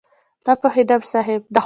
نه پوهېږم صاحب؟!